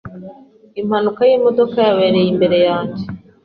Impanuka yimodoka yabereye imbere yanjye.